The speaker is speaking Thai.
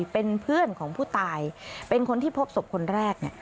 เป็นเพื่อนของผู้ตายเป็นคนที่พบศพคนแรก